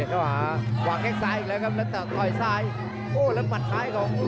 พาท่านผู้ชมกลับติดตามความมันกันต่อครับ